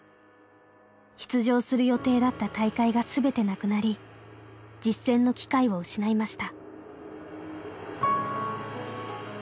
出場する予定だった大会が全てなくなり実戦の機会を失いました。